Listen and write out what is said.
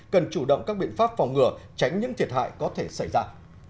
cần chủ động các biện pháp phòng ngừa tránh những thiệt hại có thể xảy ra